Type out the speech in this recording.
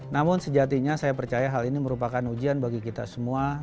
namun sejatinya saya percaya hal ini merupakan ujian bagi kita semua